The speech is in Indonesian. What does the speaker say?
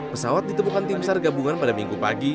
pesawat ditemukan tim sargabungan pada minggu depan